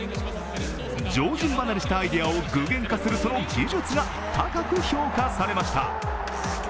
常人離れしたアイデアを具現化するその技術が高く評価されました。